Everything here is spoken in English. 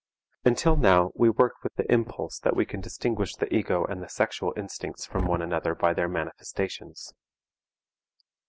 Until now we worked with the impulse that we can distinguish the ego and the sexual instincts from one another by their manifestations.